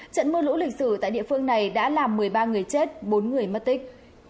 trận mưa lũ lịch sử tại địa phương này đã làm một mươi ba người chết bốn người mất tích